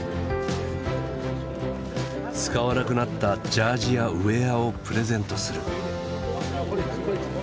使わなくなったジャージやウエアをプレゼントする。